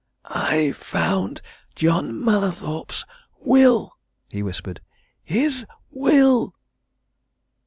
"I found John Mallathorpe's will!" he whispered. "His will!"